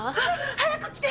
☎早く来て！